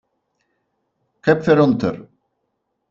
Köpfe runter!